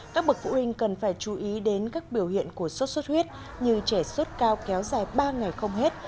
các bậc phụ huynh cần phải chú ý đến các biểu hiện của sốt xuất huyết như trẻ sốt cao kéo dài ba ngày không hết